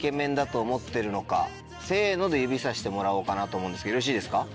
せので指さしてもらおうかなと思うんですけどよろしいですか？